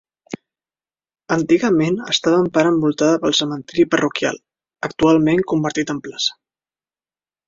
Antigament estava en part envoltada pel cementiri parroquial, actualment convertit en plaça.